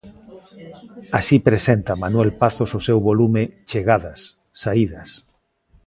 Así presenta Manuel Pazos o seu volume "Chegadas, saídas".